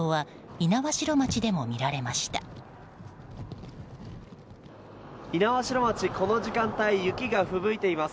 猪苗代町、この時間帯雪がふぶいています。